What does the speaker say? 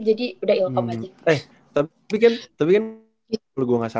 jadi udah ilkom aja